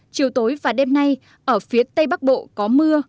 chiều tối và đêm nay ở phía tây bắc bộ có mưa